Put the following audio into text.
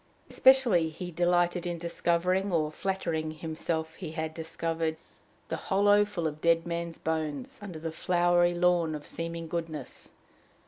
Especially he delighted in discovering, or flattering himself he had discovered, the hollow full of dead men's bones under the flowery lawn of seeming goodness.